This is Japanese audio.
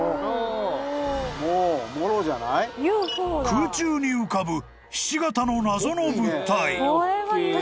［空中に浮かぶひし形の謎の物体］